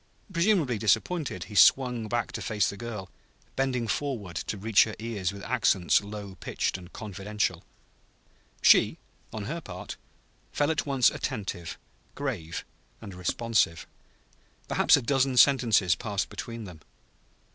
Presumably disappointed, he swung back to face the girl, bending forward to reach her ears with accents low pitched and confidential. She, on her part, fell at once attentive, grave and responsive. Perhaps a dozen sentences passed between them.